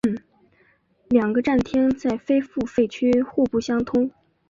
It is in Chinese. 两个站厅在非付费区互不相通。